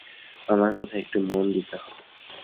আমার কথায় একটু মন দিতে হবে।